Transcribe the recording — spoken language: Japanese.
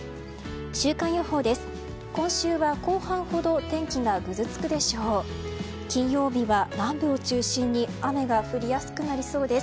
週間予報です。